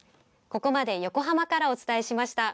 ここまで、横浜からお伝えしました。